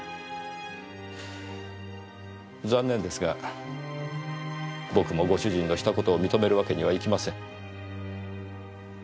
残念ですが僕もご主人のした事を認めるわけにはいきません。